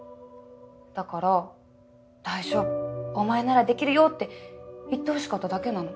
だから「大丈夫お前ならできるよ」って言ってほしかっただけなの。